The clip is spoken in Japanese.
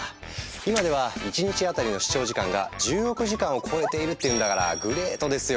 今では一日当たりの視聴時間が１０億時間を超えているっていうんだからグレートですよ